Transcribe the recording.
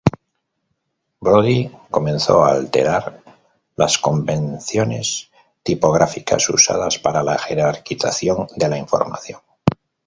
Brody comenzó a alterar las convenciones tipográficas usadas para la jerarquización de la información.